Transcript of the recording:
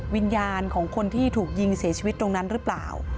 วิญญาณของคนที่ถูกยิงเสียชีวิตตรงนั้นหรือเปล่า